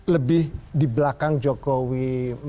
lebih di belakang jokowi